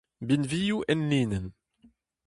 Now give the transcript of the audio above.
Binvioù enlinenn.